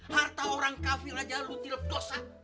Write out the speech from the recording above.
harta orang kafir aja lu tilap dosa